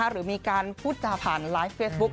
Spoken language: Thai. หรือมีการพูดจาผ่านไลฟ์เฟซบุ๊ค